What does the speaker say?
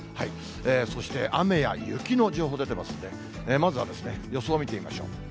そして雨や雪の情報出てますんで、まずは予想見てみましょう。